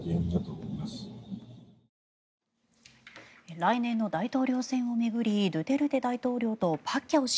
来年の大統領選を巡りドゥテルテ大統領とパッキャオ氏